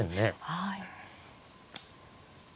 はい。